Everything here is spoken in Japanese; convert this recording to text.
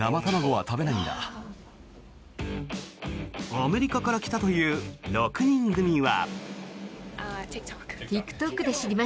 アメリカから来たという６人組は。